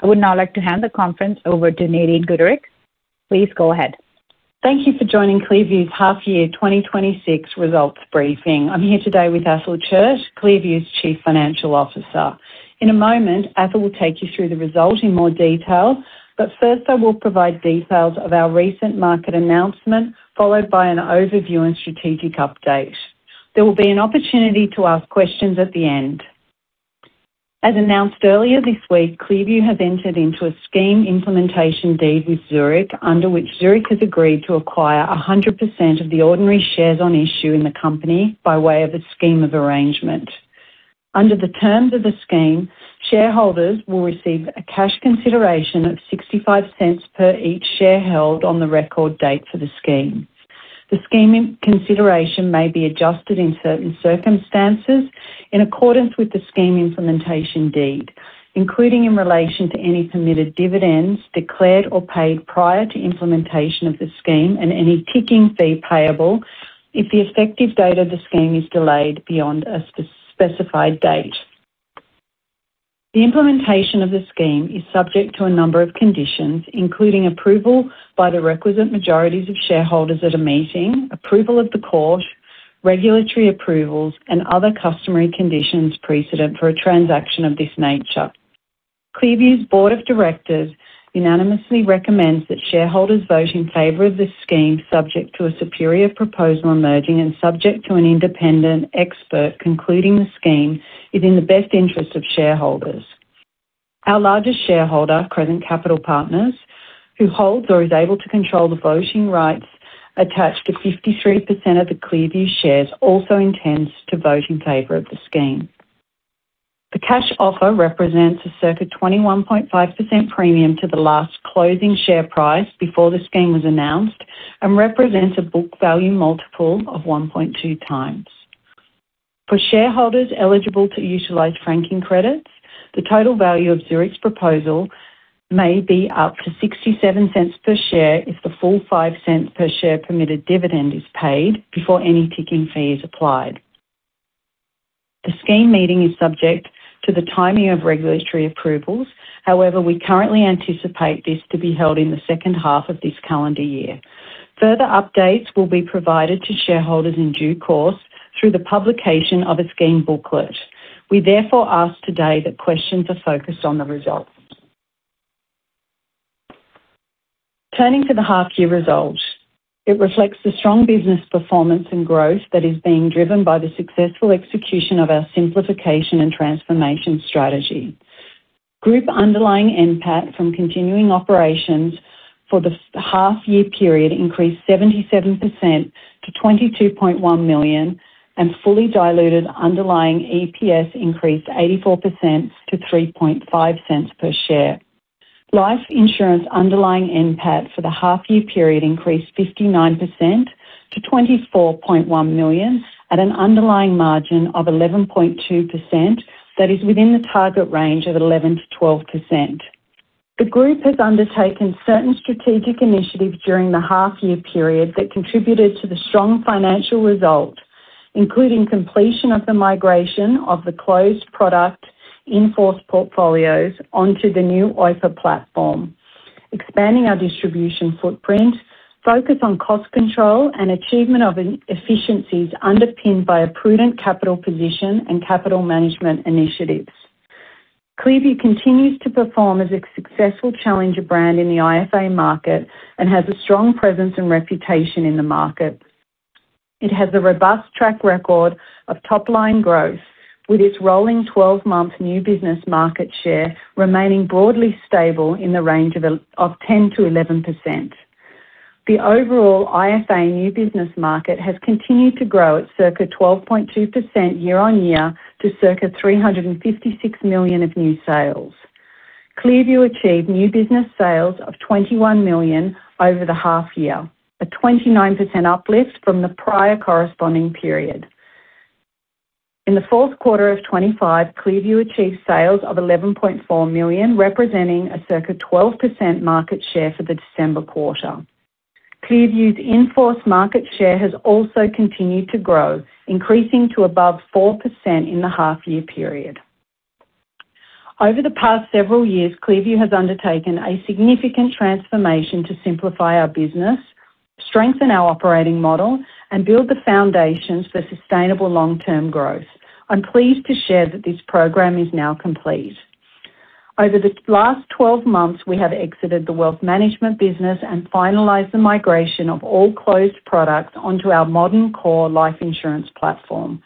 I would now like to hand the conference over to Nadine Gooderick. Please go ahead. Thank you for joining ClearView's half year 2026 results briefing. I'm here today with Athol Chiert, ClearView's Chief Financial Officer. In a moment, Athol will take you through the results in more detail. First I will provide details of our recent market announcement, followed by an overview and strategic update. There will be an opportunity to ask questions at the end. As announced earlier this week, ClearView has entered into a Scheme Implementation Deed with Zurich, under which Zurich has agreed to acquire 100% of the ordinary shares on issue in the company by way of a scheme of arrangement. Under the terms of the scheme, shareholders will receive a cash consideration of 0.65 per each share held on the record date for the scheme. The scheme in consideration may be adjusted in certain circumstances, in accordance with the Scheme Implementation Deed, including in relation to any permitted dividends declared or paid prior to implementation of the scheme and any ticking fee payable if the effective date of the scheme is delayed beyond a specified date. The implementation of the scheme is subject to a number of conditions, including approval by the requisite majorities of shareholders at a meeting, approval of the court, regulatory approvals, and other customary conditions precedent for a transaction of this nature. ClearView's board of directors unanimously recommends that shareholders vote in favor of this scheme, subject to a superior proposal emerging and subject to an independent expert concluding the scheme is in the best interest of shareholders. Our largest shareholder, Crescent Capital Partners, who holds or is able to control the voting rights attached to 53% of the ClearView shares, also intends to vote in favor of the scheme. The cash offer represents a circa 21.5% premium to the last closing share price before the scheme was announced and represents a book value multiple of 1.2x. For shareholders eligible to utilize franking credits, the total value of Zurich's proposal may be up to 0.67 per share if the full 0.05 per share permitted dividend is paid before any ticking fee is applied. The scheme meeting is subject to the timing of regulatory approvals. However, we currently anticipate this to be held in the second half of this calendar year. Further updates will be provided to shareholders in due course through the publication of a scheme booklet. We therefore ask today that questions are focused on the results. Turning to the half year results, it reflects the strong business performance and growth that is being driven by the successful execution of our simplification and transformation strategy. Group underlying NPAT from continuing operations for the half year period increased 77% to 22.1 million, and fully diluted underlying EPS increased 84% to 0.035 per share. Life insurance underlying NPAT for the half year period increased 59% to 24.1 million at an underlying margin of 11.2%. That is within the target range of 11%-12%. The group has undertaken certain strategic initiatives during the half year period that contributed to the strong financial result, including completion of the migration of the closed product in-force portfolios onto the new IFA platform, expanding our distribution footprint, focus on cost control and achievement of e-efficiencies underpinned by a prudent capital position and capital management initiatives. ClearView continues to perform as a successful challenger brand in the IFA market and has a strong presence and reputation in the market. It has a robust track record of top-line growth, with its rolling 12-month new business market share remaining broadly stable in the range of 10%-11%. The overall IFA new business market has continued to grow at circa 12.2% year-on-year to circa 356 million of new sales. ClearView achieved new business sales of 21 million over the half year, a 29% uplift from the prior corresponding period. In the fourth quarter of 2025, ClearView achieved sales of 11.4 million, representing a circa 12% market share for the December quarter. ClearView's in-force market share has also continued to grow, increasing to above 4% in the half year period. Over the past several years, ClearView has undertaken a significant transformation to simplify our business, strengthen our operating model, and build the foundations for sustainable long-term growth. I'm pleased to share that this program is now complete. Over the last 12 months, we have exited the wealth management business and finalized the migration of all closed products onto our modern core life insurance platform.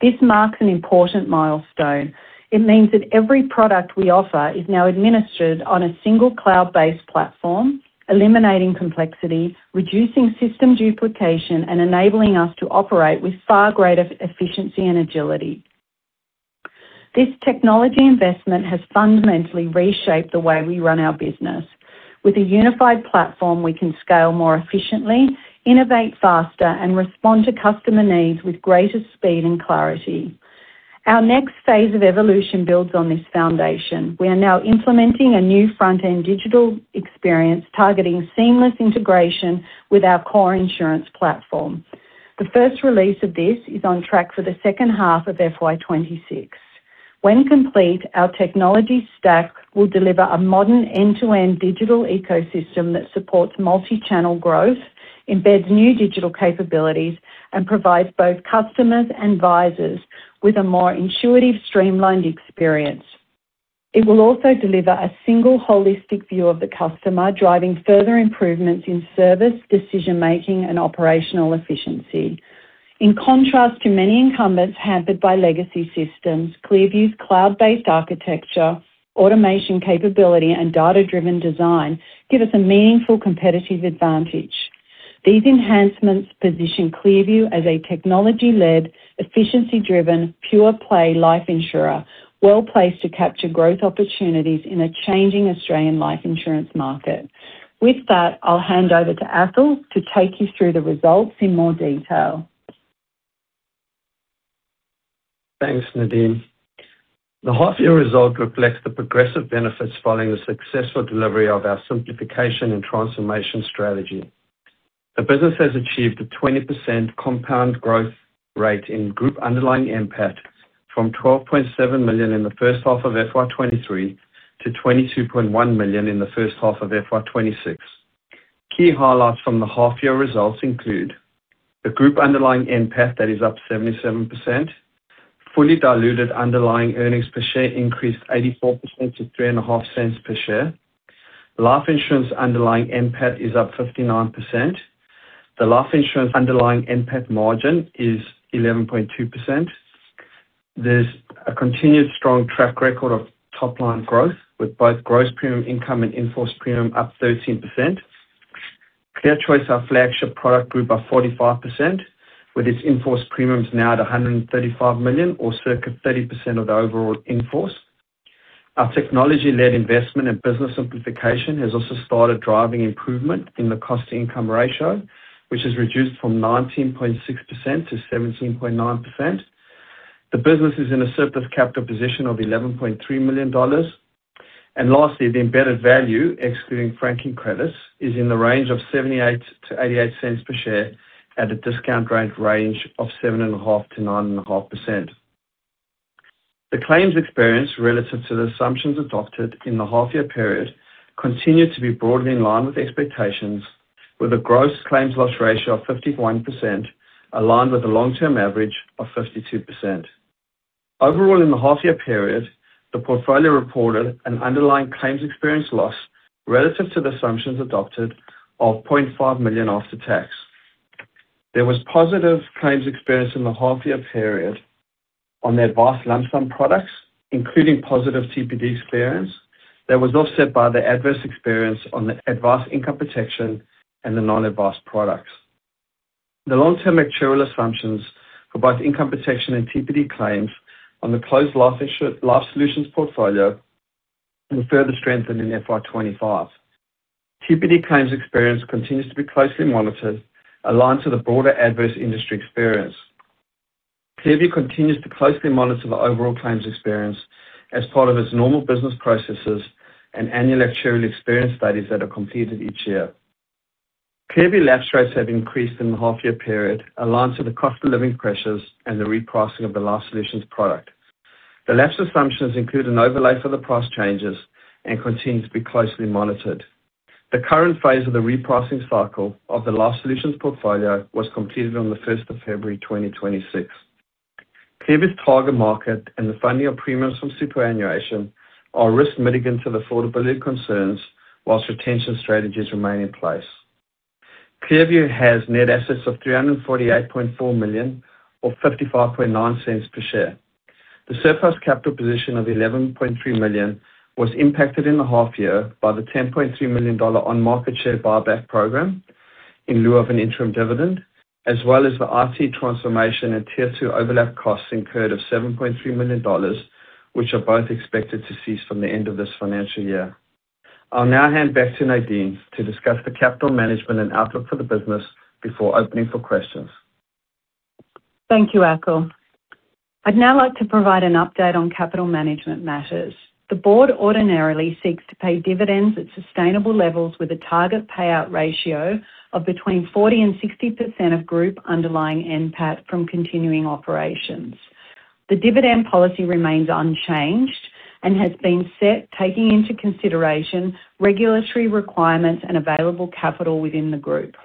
This marks an important milestone. It means that every product we offer is now administered on a single cloud-based platform, eliminating complexity, reducing system duplication, and enabling us to operate with far greater efficiency and agility. This technology investment has fundamentally reshaped the way we run our business. With a unified platform, we can scale more efficiently, innovate faster, and respond to customer needs with greater speed and clarity. Our next phase of evolution builds on this foundation. We are now implementing a new front-end digital experience, targeting seamless integration with our core insurance platform. The first release of this is on track for the second half of FY 2026. When complete, our technology stack will deliver a modern end-to-end digital ecosystem that supports multi-channel growth, embeds new digital capabilities, and provides both customers and advisors with a more intuitive, streamlined experience. It will also deliver a single holistic view of the customer, driving further improvements in service, decision-making, and operational efficiency. In contrast to many incumbents hampered by legacy systems, ClearView's cloud-based architecture, automation capability, and data-driven design give us a meaningful competitive advantage. These enhancements position ClearView as a technology-led, efficiency-driven, pure-play life insurer, well-placed to capture growth opportunities in a changing Australian life insurance market. With that, I'll hand over to Athol to take you through the results in more detail. Thanks, Nadine. The half year result reflects the progressive benefits following the successful delivery of our simplification and transformation strategy. The business has achieved a 20% compound growth rate in group underlying NPAT, from 12.7 million in the first half of FY 2023 to 22.1 million in the first half of FY 2026. Key highlights from the half year results include: the group underlying NPAT, that is up 77%; fully diluted underlying earnings per share increased 84% to 0.035 per share; life insurance underlying NPAT is up 59%; the life insurance underlying NPAT margin is 11.2%. There's a continued strong track record of top-line growth, with both gross premium income and in-force premium up 13%. ClearChoice, our flagship product, grew by 45%, with its in-force premiums now at 135 million, or circa 30% of the overall in-force. Our technology-led investment and business simplification has also started driving improvement in the cost-to-income ratio, which has reduced from 19.6% to 17.9%. The business is in a surplus capital position of 11.3 million dollars. Lastly, the embedded value, excluding franking credits, is in the range of 0.78-0.88 per share at a discount rate range of 7.5%-9.5%. The claims experience relative to the assumptions adopted in the half year period continued to be broadly in line with expectations, with a gross claims loss ratio of 51%, aligned with the long-term average of 52%. Overall, in the half year period, the portfolio reported an underlying claims experience loss relative to the assumptions adopted of 0.5 million after tax. There was positive claims experience in the half year period on the advanced lump sum products, including positive TPD clearance, that was offset by the adverse experience on the advanced income protection and the non-advanced products. The long-term actuarial assumptions for both income protection and TPD claims on the closed LifeSolutions portfolio will further strengthen in FY 2025. TPD claims experience continues to be closely monitored, aligned to the broader adverse industry experience. ClearView continues to closely monitor the overall claims experience as part of its normal business processes and annual actuarial experience studies that are completed each year. ClearView lapse rates have increased in the half year period, aligned to the cost of living pressures and the repricing of the LifeSolutions product. The lapse assumptions include an overlay for the price changes and continue to be closely monitored. The current phase of the repricing cycle of the LifeSolutions portfolio was completed on the 1st of February 2026. ClearView's target market and the funding of premiums from superannuation are risk mitigants of affordability concerns, whilst retention strategies remain in place. ClearView has net assets of 348.4 million, or 0.559 per share. The surplus capital position of 11.3 million was impacted in the half year by the $10.3 million on-market share buyback program in lieu of an interim dividend, as well as the IT transformation and Tier 2 overlap costs incurred of $7.3 million, which are both expected to cease from the end of this financial year. I'll now hand back to Nadine to discuss the capital management and outlook for the business before opening for questions. Thank you, Athol Chiert. I'd now like to provide an update on capital management matters. The board ordinarily seeks to pay dividends at sustainable levels, with a target payout ratio of between 40% and 60% of group underlying NPAT from continuing operations. The dividend policy remains unchanged and has been set, taking into consideration regulatory requirements and available capital within the group.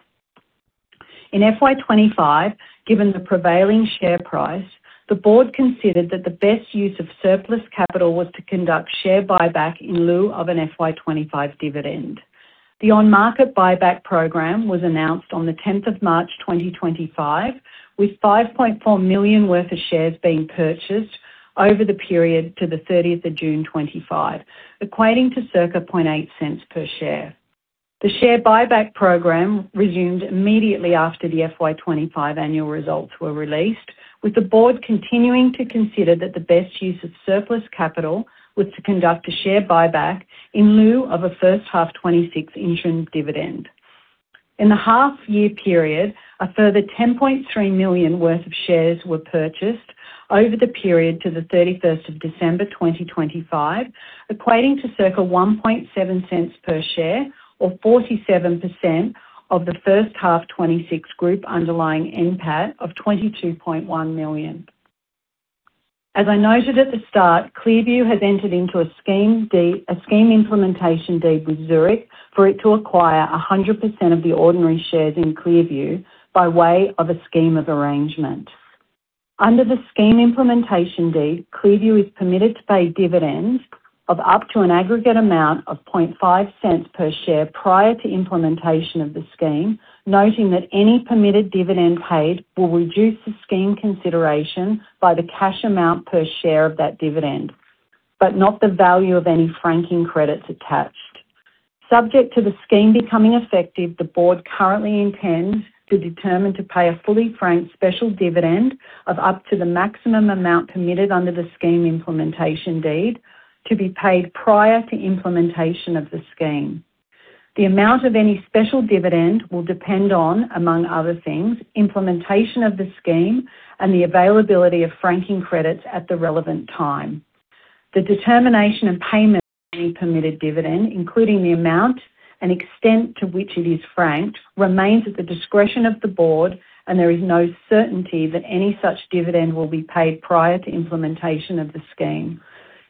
In FY 2025, given the prevailing share price, the board considered that the best use of surplus capital was to conduct share buyback in lieu of an FY 2025 dividend. The on-market buyback program was announced on the 10th of March 2025, with 5.4 million worth of shares being purchased over the period to the 30th of June 2025, equating to circa 0.008 per share. The share buyback program resumed immediately after the FY 2025 annual results were released, with the board continuing to consider that the best use of surplus capital was to conduct a share buyback in lieu of a first half 2026 interim dividend. In the half year period, a further 10.3 million worth of shares were purchased over the period to the 31st of December, 2025, equating to circa 0.017 per share, or 47% of the first half 2026 group underlying NPAT of 22.1 million. As I noted at the start, ClearView has entered into a Scheme Implementation Deed with Zurich for it to acquire 100% of the ordinary shares in ClearView by way of a scheme of arrangement. Under the scheme implementation deed, ClearView is permitted to pay dividends of up to an aggregate amount of 0.005 per share prior to implementation of the scheme, noting that any permitted dividend paid will reduce the scheme consideration by the cash amount per share of that dividend, but not the value of any franking credits attached. Subject to the scheme becoming effective, the board currently intends to determine to pay a fully franked special dividend of up to the maximum amount permitted under the scheme implementation deed, to be paid prior to implementation of the scheme. The amount of any special dividend will depend on, among other things, implementation of the scheme and the availability of franking credits at the relevant time. The determination of payment of any permitted dividend, including the amount and extent to which it is franked, remains at the discretion of the board, and there is no certainty that any such dividend will be paid prior to implementation of the scheme.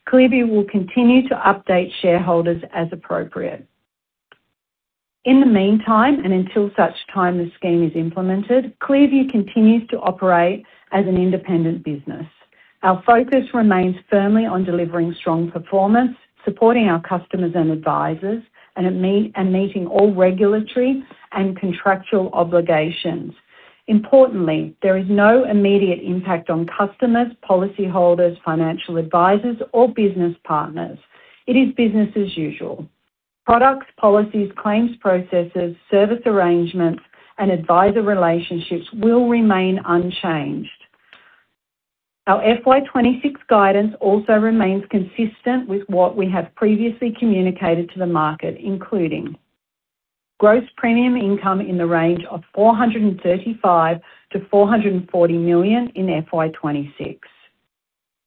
ClearView will continue to update shareholders as appropriate. In the meantime, and until such time the scheme is implemented, ClearView continues to operate as an independent business. Our focus remains firmly on delivering strong performance, supporting our customers and advisors, and meeting all regulatory and contractual obligations. Importantly, there is no immediate impact on customers, policyholders, financial advisors, or business partners. It is business as usual. Products, policies, claims processes, service arrangements, and advisor relationships will remain unchanged. Our FY 2026 guidance also remains consistent with what we have previously communicated to the market, including: gross premium income in the range of 435 million-440 million in FY 2026.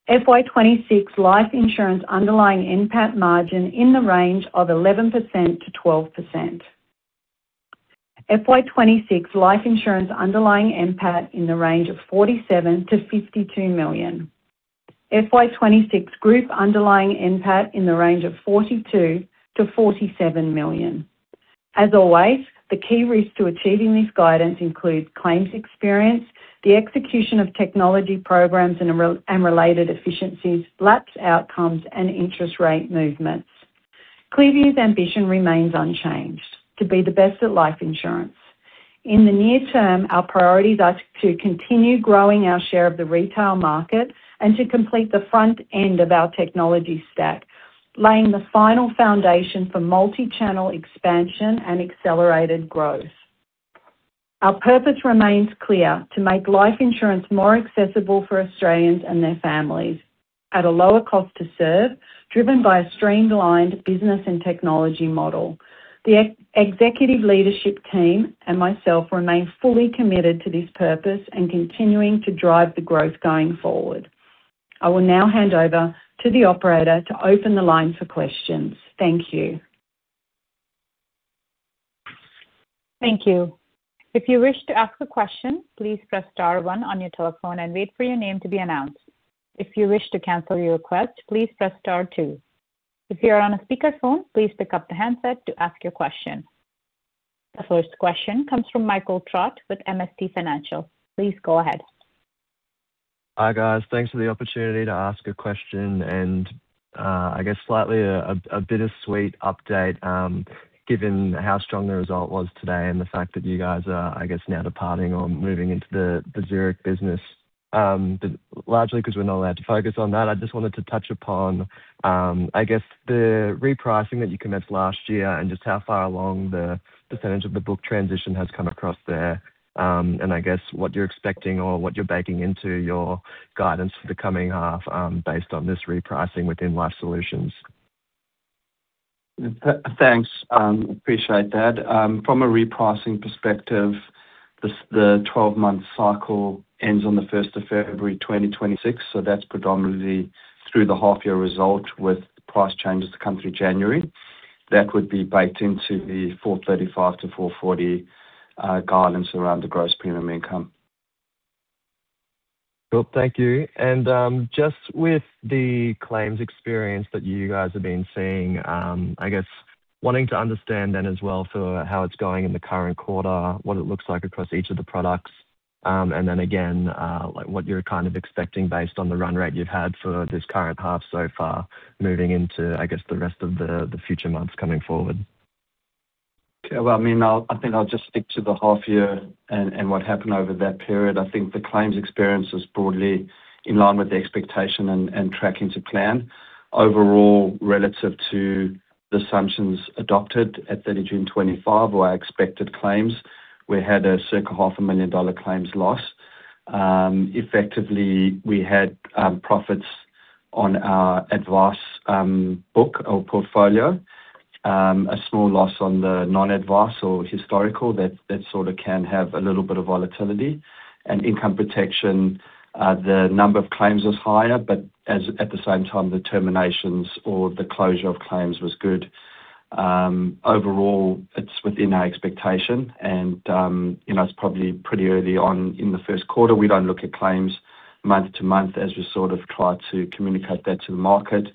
FY 2026 life insurance underlying NPAT margin in the range of 11%-12%. FY 2026 life insurance underlying NPAT in the range of 47 million-52 million. FY 2026 group underlying NPAT in the range of 42 million-47 million. As always, the key risks to achieving this guidance include claims experience, the execution of technology programs and related efficiencies, lapse outcomes, and interest rate movements. ClearView's ambition remains unchanged: to be the best at life insurance. In the near term, our priorities are to continue growing our share of the retail market and to complete the front end of our technology stack, laying the final foundation for multi-channel expansion and accelerated growth. Our purpose remains clear, to make life insurance more accessible for Australians and their families at a lower cost to serve, driven by a streamlined business and technology model. The ex-executive leadership team and myself remain fully committed to this purpose and continuing to drive the growth going forward. I will now hand over to the operator to open the line for questions. Thank you. Thank you. If you wish to ask a question, please press star one on your telephone and wait for your name to be announced. If you wish to cancel your request, please press star two. If you're on a speakerphone, please pick up the handset to ask your question. The first question comes from Michael Trott with MST Financial. Please go ahead. Hi, guys. Thanks for the opportunity to ask a question. I guess slightly a bittersweet update given how strong the result was today and the fact that you guys are, I guess, now departing or moving into the Zurich business. Largely because we're not allowed to focus on that, I just wanted to touch upon, I guess, the repricing that you commenced last year and just how far along the percentage of the book transition has come across there. I guess what you're expecting or what you're baking into your guidance for the coming half, based on this repricing within LifeSolutions. Thanks. Appreciate that. From a repricing perspective, the 12-month cycle ends on the 1st of February, 2026, so that's predominantly through the half year result with price changes to come through January. That would be baked into the 435-440 guidance around the gross premium income. Cool, thank you. Just with the claims experience that you guys have been seeing, I guess wanting to understand then as well for how it's going in the current quarter, what it looks like across each of the products, and then again, like what you're kind of expecting based on the run rate you've had for this current half so far, moving into, I guess, the rest of the future months coming forward? Well, I mean, I think I'll just stick to the half year and what happened over that period. I think the claims experience is broadly in line with the expectation and tracking to plan. Overall, relative to the assumptions adopted at 30 June 2025 or our expected claims, we had a circa half a million dollar claims loss. Effectively, we had profits on our advice book or portfolio. A small loss on the non-advice or historical, that sort of can have a little bit of volatility. Income protection, the number of claims was higher, but at the same time, the terminations or the closure of claims was good. Overall, it's within our expectation and, you know, it's probably pretty early on in the first quarter. We don't look at claims month to month, as we sort of try to communicate that to the market.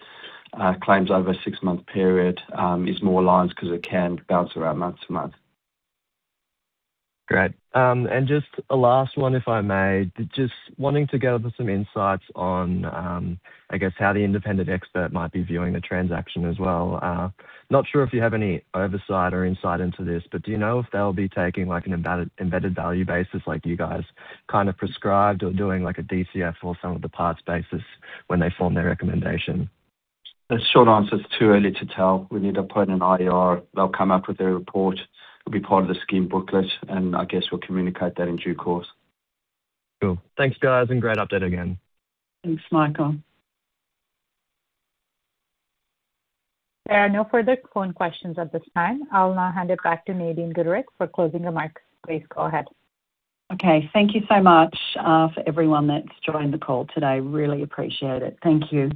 Claims over a six-month period is more aligned because it can bounce around month to month. Great. Just a last one, if I may. Just wanting to gather some insights on, I guess, how the independent expert might be viewing the transaction as well. Not sure if you have any oversight or insight into this, but do you know if they'll be taking, like, an embedded value basis like you guys kind of prescribed or doing, like, a DCF or some of the parts basis when they form their recommendation? The short answer, it's too early to tell. We need to put in an IR. They'll come up with a report. It'll be part of the scheme booklet. I guess we'll communicate that in due course. Cool. Thanks, guys, and great update again. Thanks, Michael. There are no further phone questions at this time. I'll now hand it back to Nadine Gooderick for closing remarks. Please go ahead. Okay. Thank you so much for everyone that's joined the call today. Really appreciate it. Thank you.